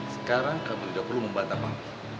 sekarang kamu udah perlu membatas panggung